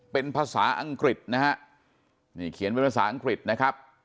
เป็นภาษาอังกฤษนะฮะนี่เขียนเป็นภาษาอังกฤษนะครับ